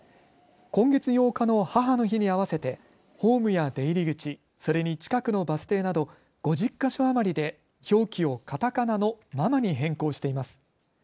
今月８日の母の日に合わせてホームや出入り口、それに近くのバス停など５０か所余りで表記をカタカナのママに変更しています。